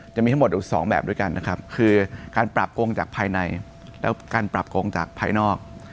จะมีทั้งหมดอยู่สองแบบด้วยกันนะครับคือการปรับโกงจากภายในแล้วการปรับโกงจากภายนอก